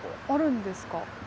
あるんですか？